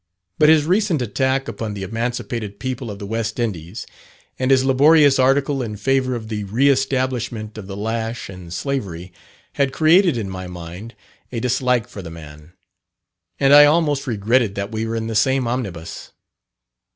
But his recent attack upon the emancipated people of the West Indies, and his laborious article in favour of the re establishment of the lash and slavery, had created in my mind a dislike for the man, and I almost regretted that we were in the same Omnibus.